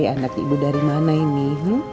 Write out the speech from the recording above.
anak ibu dari mana ini